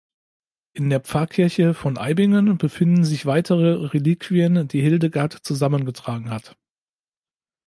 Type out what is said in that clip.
In der Pfarrkirche von Eibingen befinden sich weitere Reliquien, die Hildegard zusammengetragen hat.